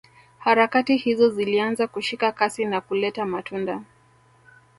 Harakati hizo zilianza kushika kasi na kuleta matunda